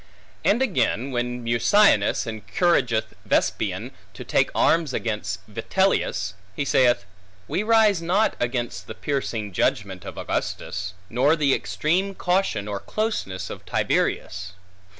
And again, when Mucianus encourageth Vespasian, to take arms against Vitellius, he saith, We rise not against the piercing judgment of Augustus, nor the extreme caution or closeness of Tiberius.